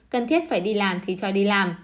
cần thiết phải đi làm thì cho đi làm